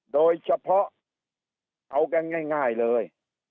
โดยเฉพาะเอากันง่ายเลย